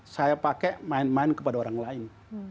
saya pakai main main kepada orang lain